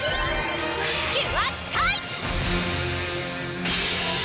キュアスカイ！